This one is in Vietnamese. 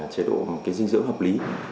chế độ dinh dưỡng hợp lý